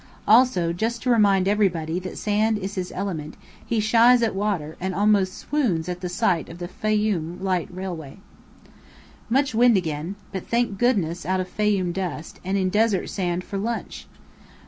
Also, just to remind everybody that sand is his element, he shies at water, and almost swoons at sight of the Fayoum light railway. Much wind again. But thank goodness out of Fayoum dust, and in desert sand for lunch!